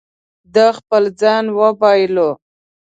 ده خپل ځان وبایلو.